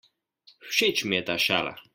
Všeč mi je ta šala.